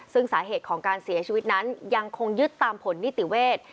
ซึ่งสาเหตุของการเสียชีวิตนั้นยังคงยึดตามผลนิติเวทย์